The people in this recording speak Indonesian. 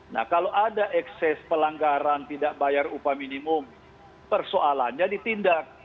nah kalau ada ekses pelanggaran tidak bayar upah minimum persoalannya ditindak